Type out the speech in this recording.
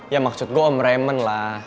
ya maksud gue om reman lah